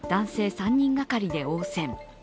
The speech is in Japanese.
３人がかりで応戦。